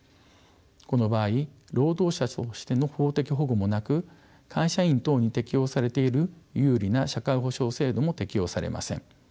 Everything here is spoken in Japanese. この場合労働者としての法的保護もなく会社員等に適用されている有利な社会保障制度も適用されません。